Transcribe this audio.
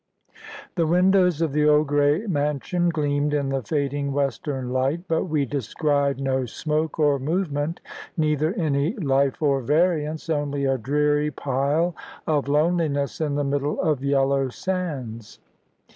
The windows of the old grey mansion gleamed in the fading western light, but we descried no smoke or movement, neither any life or variance, only a dreary pile of loneliness in the middle of yellow sands.